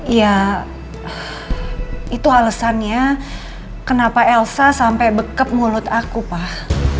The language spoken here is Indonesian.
iya itu alesannya kenapa elsa sampai bekap mulut aku pah